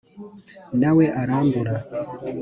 na we arambura